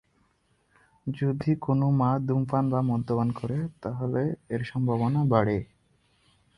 যদি কোন মা ধূমপান বা মদ্যপান করে, তাহলে এর সম্ভবনা বাড়ে।